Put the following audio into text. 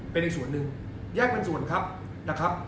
เป็นในส่วนหนึ่งแยกเป็นส่วนครับนะครับ